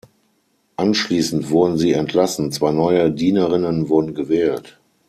Anschließend wurden sie entlassen, zwei neue Dienerinnen wurden gewählt.